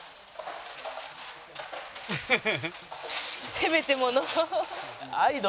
せめてもの。